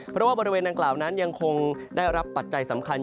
เพราะว่าบริเวณดังกล่าวนั้นยังคงได้รับปัจจัยสำคัญ